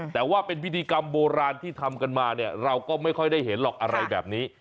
แต่ว่าเป็นพิธีกรรมโบราณที่ทำกันมาเนี่ยเราก็ไม่ค่อยได้เห็นหรอกอะไรแบบนี้